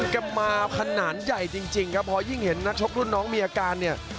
กันมาขนาดใหญ่จริงครับเพราะยิ่งเห็นนักชกรุ่นน้องมีอาการเนี่ย